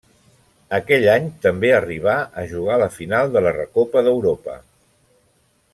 Aquell any també arribà a jugar la final de la Recopa d'Europa.